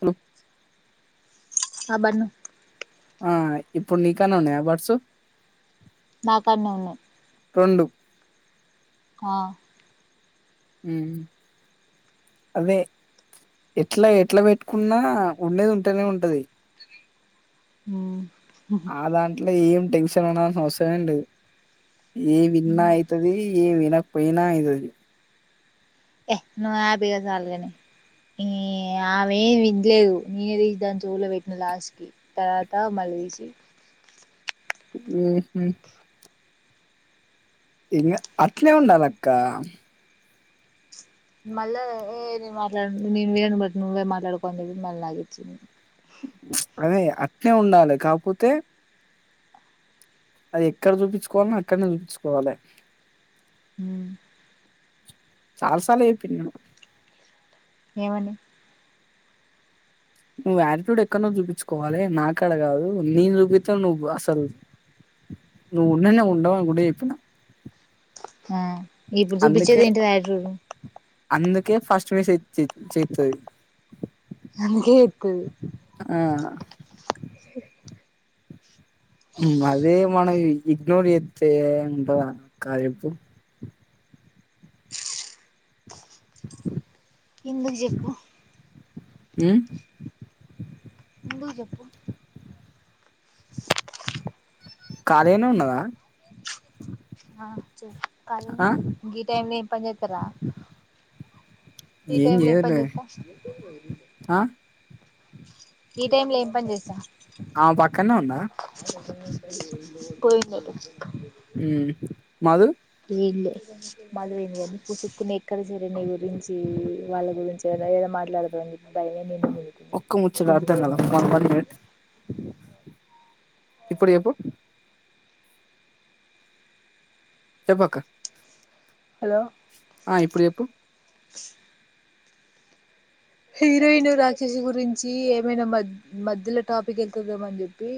Hello ఆ బన్ను ఆ ఇప్పుడు నీకాడ్నే ఉన్నాయా బడ్సు నా కాడ్నే ఉన్నద్ రెండు ఆ హ్మ అదే ఎట్లా ఎట్లా పెట్టుకున్నా ఉండేది ఉంటనే ఉంటది. ఊ ఆ దాంట్లో ఏం టెన్షన్ పడాల్సిన అవసరమేం లేదు. ఏం విన్నా అయితదీ ఏం వినక్పొయినా అయితది. ఎహ్ నువ్వాపిగా సాల్గాని. ఈ ఆమేం విన్లేదు. నీది దాన్ని చెవుల పెట్టినవ్ లాస్ట్కి. తర్వాత మళ్ళ్ వేసి వేసి ఇంగ అట్లే ఉండాలక్క మళ్ళ ఎ నేను మాట్లాడను [unintelligible] నువ్వే మాట్లాడుకో అనిచెప్పి మళ్ళ నాకిచ్చింది అదే అట్నే ఉండాలి కాపోతే అదెక్కడ చూపించుకోవాల్నో అక్కడ్నే చూపించుకోవాలే హు చాలాసార్ల చెప్పిన్ నేనూ ఏమని నువ్ ఆటిట్యూడ్ ఎక్కడనో చూపించుకోవాలే నాకాడ కాదు నేను చూపిత్తే నువ్ అసలు నువ్వు ఉండనే ఉండవని కూడా చెప్పున్న హా ఇప్పుడు అందుకే చూపిచేదేంటిది ఆటిటుడు అందుకే ఫస్ట్ మేసేజ్ చేత్త్ చేత్తది అంతే ఎక్కువ్ ఆ హ్మ్ అదే మనం ఇఇగ్నోర్ చేత్తే ఉంటదా అక్క చెప్పు ఎందుకు చెప్పు హు ఎందుకో చెప్పు కాలీగానే ఉన్నవా ఆ చెప్ ఆ కాలిగానే ఉన్న గీ టైమ్ లో ఏం పని చేత్తారా ఈ టైమ్ ల ఏం పనిచేత్త ఆ ఈ టైమ్ లో ఏం పని చేస్తా ఆమ్ పక్ పోయుండారు ఉమ్ మధు ఈళ్ళే మొదలైంది కానీ పుసుక్కుని ఎక్కడ చేరి నీ గురించి వాళ్ళ వీళ్ళ చెవుల మాట్లాడుతదని చెప్పి భయమైంది నువ్వు ఒక్క ముచ్చట అర్ధం కాలే అక్క వన్ మినిట్ ఇప్పుడు చెప్పు చెప్పక్క హలో ఆ ఇప్పుడు చెప్పు హీరోయిను రాక్షసి గురించి ఏమైనా మద్ మధ్యలో టాపిక్ ఎత్తుదాం అని చెప్పి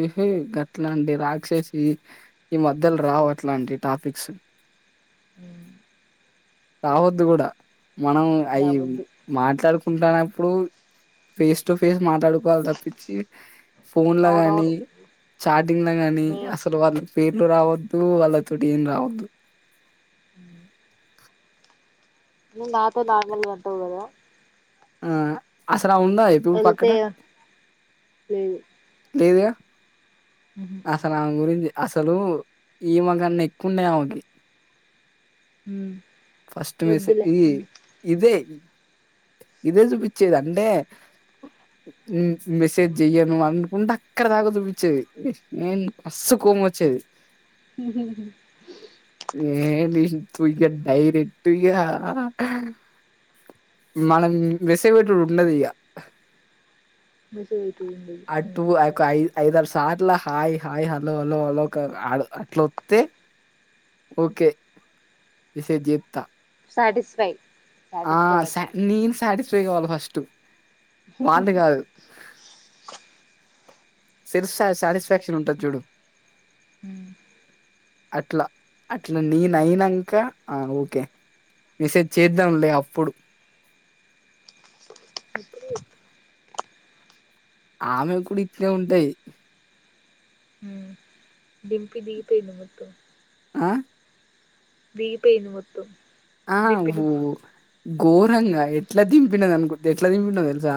ఎహె గట్లాంటి రాక్షసి ఈ మధ్యల్ రావ్ అట్లాంటి టాపిక్స్ అవును రావద్దు కూడా మనం అయి రావద్దు మాట్లాడుకుంటాన్నప్పుడు ఫేస్ టు ఫేస్ మాట్లాడుకోవాలి తప్పించి ఫోన్ల గాని అవునవును చాటింగ్ల గానీ మీ అసలు వాళ్ళ పేర్లు రావద్దు వాళ్ళతోటి ఏం రావద్దు ఆహ్ నువ్ నాతో నార్మల్గంటవ్ కదా ఆ అసలు ఆముందా ఇప్పుడు పక్కన పేను లేదుగా అసలామె గురించి అసలు ఈమెకన్న ఎక్కువుండయి ఆమెకి హు ఫస్ట్ మేస్ ఈఇ ఇదే ఇదే చూపిచ్చేది అంటే మెసేజ్ చెయ్యను అనుకుంట అక్కడ తాగ చూపిచ్చేది ఏన్ కస్సు పం వచ్చేది ఏ తూ ఇగా డైరెట్గా మనం మనం మెసేజ్ బెట్టడం ఉండదు ఇక హు మ్ అట్టు ఐ ఐద్ ఐదరు సార్లు hi hi hello hello hello అట్లొస్తే ఓకే ఇ సెట్ జేత్త శాటిస్ఫై ఆ సా నేను సాటిస్ఫై కావాలి ఫస్ట్ వాంది కాదు సిరిస్ సాటిస్ఫాక్షన్ ఉంటది చూడు అ అట్లా అట్లా నేన అయినంక ఆ ఓకే మెసేజ్ చేద్దాంలే అప్పుడు అప్పు ఆమె కూడా ఇట్లే ఉంటయి. ఉమ్ డింపి దిగిపోయిదేమో ఆ బీ పోయింది మొత్తం ఆ డింపి ఊ నువ్వు గో గా ఎట్లా దింపినది అనుకు ఎట్లా దింపో తెలుసా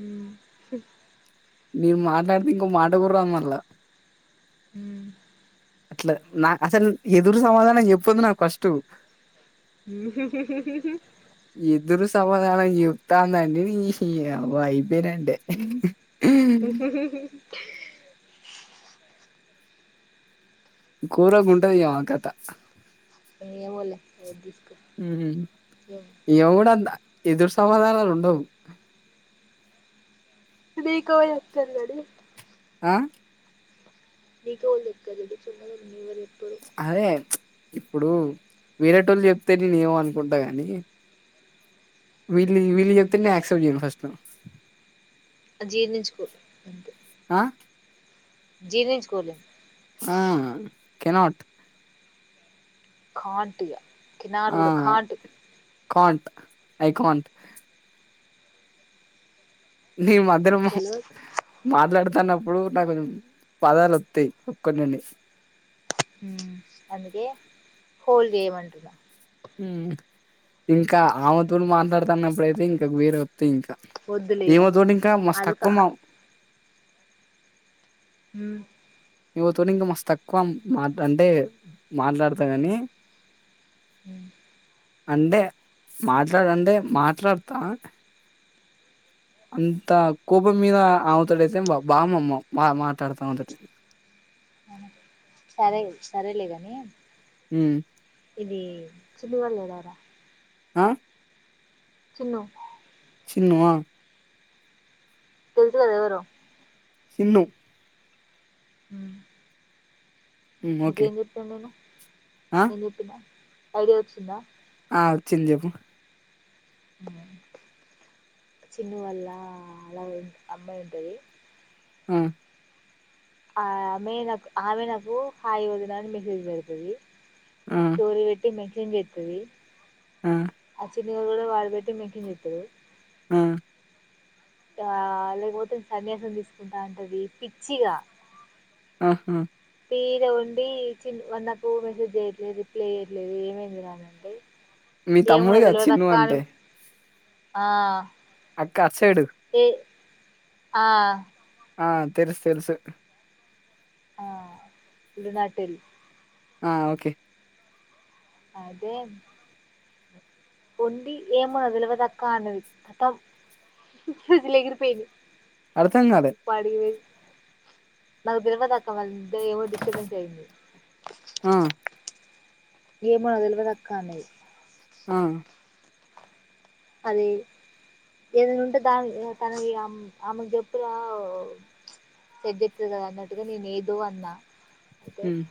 ఉమ్ నేను మాట్లాడితే ఇంకో మాట కూడ రాదు మళ్ళా హుమ్ అట్లా నా అసలు ఎదురు సమాధానం చెప్పదు నాకు ఫస్ట్ ఎదురు [inaudible] సమాధానం చెప్తాందంటే నీ యవ్వ అయిపోయినట్టే [inaudible] కూరకు ఉంటది అమ కథ ఏమోలే పట్టిచ్చు ఉహు ఎవడంత ఎదురు సమాధానాలు ఉండవు. బీగవ వత్తందడి ఆ నీకోవలు చెపిరు చున్నగ ఉన్నది మీవరు అరే ఇప్పుడు వీరేటోళ్ళు చెప్తే నేమ అనుకుంటా గాని వీళ్ళ వీళ్ళు చెప్తే నేను యాక్సెప్ట్ చేయను ఫస్ట్ జీర్ణించుకో అంతే ఆ జీర్నించుకోలే ఆ కెనాట్ కాంట్గా కిినారు కూడా కాంట్ ఐకాన్ ట్ నే మద్దరము తెల్వదు మాట్లాడతాన్నం ఇప్పుడు నాకుంచం పాదాలు వత్తి ఒక్కన్నిండి హుమ్ అందుకే హోల్ గేమ్ అంటున్నా ఇంకా ఆమెతోడు మాట్లాడుతున్నప్పుడుయితే ఇంకా వేరే అఅంతే ఇంకా వద్దులే ఇగ ఏమో తోడు ఇంకా మస్ అది తక్కువ కా మా మ్ నువవు తొని ఇంకా మస్ తక్కువ మాట్ అంటే మాట్లాడుతా కాని మ్ అంటే మాట్లాడంటే మాట్లాడతా అంతా కోపం మీద అమెతొడైతే బా బామమ్మ మా మాట్లాడతా ఉంటది సరే సరేలేగాని మ్ ఈ చిన్ను గాడు లేడా రా ఆ చిన్నూ అ తెలుసుకదేవరొ సిన్ను మ్ ఉమ్ ఓకే ఇకేం చెప్పినాను నేను ఆ ఏం చెప్పినా ఐడియా వచ్చిందా ఆ వచ్చింది చెప్పు మ్... చిన్నూ వాల్ల అలా అమ్మాయి ఉంటది ఆ ఆ ఆమె నాకు ఆమె నాకు హాయి వదినాని మెసేజ్ పెడుతది ఆ తోరి పెట్టి మెన్షన్ చేస్తుది ఆ వేరే వాళ్ళు పెట్టి మెన్షన్ చేస్తరు ఆ ఆ లేకపోతే సన్యాసం తీసుకుంటా అంటది పిచ్చిగా ఆహా ఈడ ఉండీ చి వాడు నాకు మెసేజ్ చేయట్లేదు రిప్లై చెయట్లేదు ఏమైందిరా అనంటే మీ ఏమో తమ్ముడు నాకు కదా చిన్ను తెల్వదక్కా అంటే ఆ అక్క అటు సైడు ఏ ఆ ఆ తెలుసు తెలుసు ఆ ఉడునాటిల్ ఆ ఓకే అదే ఉండి ఏమో నాకు తెల్వదక్క అన్నది ఖతం ఫీజులెగిరిపొయినియి అర్థం కాలే ఆడికి పొయ్ నాకుదెల్వదక్కా వంద ఏవో డిస్టబెన్స్ అయ్యింది ఆ ఏమో నాకు దెల్వదక్క అన్నది ఆ అదీ ఏదైనా ఉంటే దాని తనకి ఆమెకు చెప్పునావ్ ఎద్దెట్దు గా అన్నట్టుగా నేను ఏదో అన్నా అయితే మ్ మ్చ్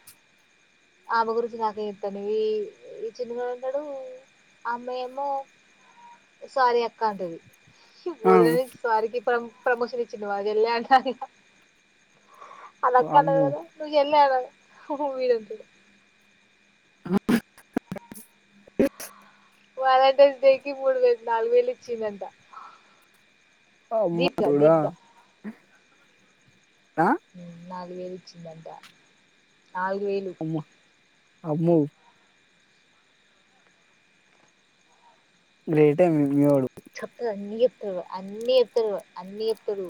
ఆమె గురించి నాకే చెప్తాంను ఈ ఈ చిన్నగాడు ఉంటడు అమ్మయ్ ఏమోసారీ అక్క అంటది ఆ వొదిని స్వారికి పం ప్రొమోషన్ ఇచ్చింది మా చెల్లే అంటాది ఇహ అలా అక్క అన్నది వామ్మో కదా నువ్ చెల్లేఅను [unintelligible] వాలెంటైన్స్ డే కి మూడు వేలు నాలుగు వేలు ఇచ్చిందంట అమ్మా తోడా ఆ నాలుగు వేలు ఇచ్చిందంట నాలుగు వేలు అమ్మో అమ్మో గ్రేటే మీ మీవోడు చెప్పరు అన్ని ఎప్తారు అన్ని ఎప్తారు అన్ని ఎప్తారు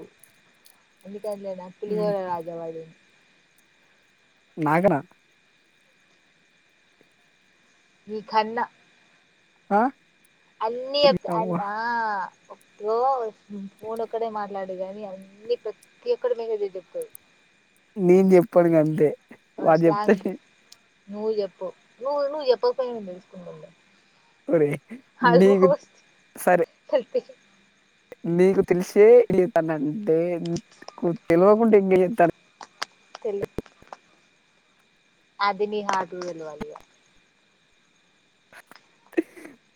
అ హ్మ్. పులిహోర రాజా వాడు నాకన మీకన్న హా అన్ని జెప్ ఆ ఓ ఫోన్ ఒక్కడే మాట్లాత గాని అన్ని ప్రతి ఒక్కరి మీద దిద్దుతాడు నీన్ జెప్పడు ఇంగ అంతే ఆ స్లాంగ్ కి నువ్వు జెప్పువ్ నువ్వు నువ్వు జెప్పక పోయిన నేను తెలుసుకుంటా లే ఒరేయ్ నీకు ఆల్మోస్ట్ సరే తెల్తి నీకు తెలిసే ఇన్ని జేత్తన్నఅంటే నీకు తెల్వకుండ [unintelligible] తెల్లు అది నీ హార్ట్ కు తెలవాలి ఇగా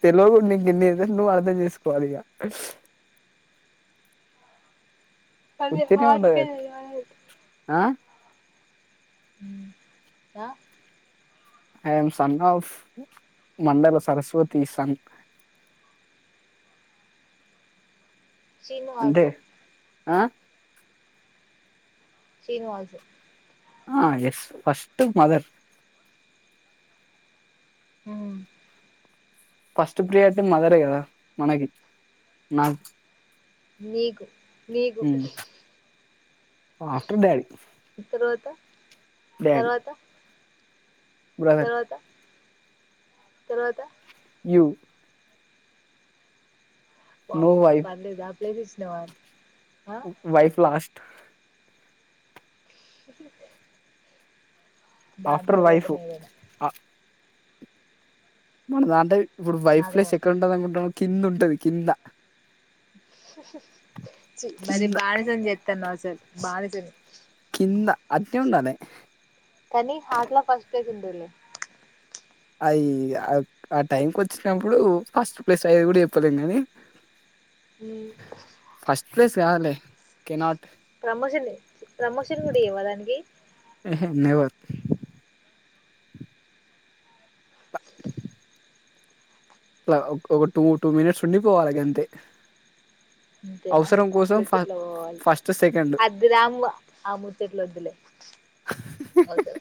తెల్వకూడ్ నిన్ని ఏదన్న ఇంకెన్ని నువ్వు అర్థం చేసుకోవాలి ఇగ కానీ ఉత్తినే హార్ట్ ఉండదు కె అది తెలవాలి ఆ um yeah I am son of Mandala Saraswati son Srinu all అంతే సో ఆ శ్రీను ఆల్ సో ఆ ఎస్ ఫస్టు మదర్ అవున్ ఫస్ట్ ప్రియారిటి మదరే కదా మనకి నాకు నీకు నీకు హ్మ్. ఆఫ్టర్ డాడీ తర్వాత డాడీ తర్వాత బ్రదర్ తర్వాత తర్వాత యువ్ నో వామ్మో వైఫ్ పర్లేదే ఆ ప్లేసి ఇచ్చినావ రా వైఫ్ లాస్ దాని ఆఫ్టర్ వైఫు తర్వాతనే ఏదైనా మన దాంట్లో ఇబ్బుడు వైఫ్ నాకు ప్లేస్ ఎక్కడ ఉంటది అనుకుంటున్నావు కింద ఉంటది కింద చీ మరి కింద బానిసని చేత్తన్నవ్ అసలు బానిసని కింద అట్నే ఉండాలే కానీ హాట్లో ఫస్ట్ ప్లేస్ ఉంటది లే అయ్య ఆ టైంకి వచ్చినప్పుడు ఫస్ట్ ప్లేస్ అయ్యేది కూడ జెప్పలేం గానీ ఉమ్ త్యాలే కెనాట్ ప్రమోషన్ ప్రమోషన్ గుడా ఈవా దానికి నెవర్ ఇట్లాగ ఒగ టూ టూ మినిట్స్ ఉండిపోవాల గంతే అంతేనా అవసరం కోసం అట్లొచ్చి ఫ ఇట్లా పోవాలి ఫస్ట్ సెకండ్ అద్దురాంబు ఆ ముూచ్చట్లొద్దులే వొద్దు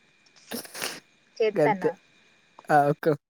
[inaudible] చేత్తాన గంతే [unintelligible]